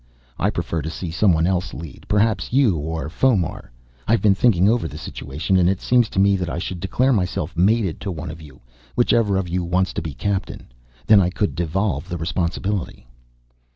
I prefer to see someone else lead, perhaps you or Fomar. I've been thinking over the situation and it seems to me that I should declare myself mated to one of you, whichever of you wants to be captain. Then I could devolve the responsibility."